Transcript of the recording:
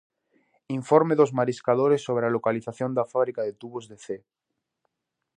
Informe dos mariscadores sobre a localización da fábrica de tubos de Cee.